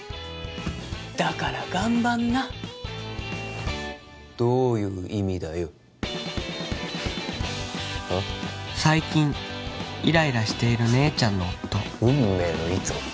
だから頑張んなどういう意味だよ最近イライラしている姉ちゃんの夫運命の糸？